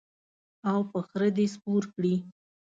او په خره دې سپور کړي.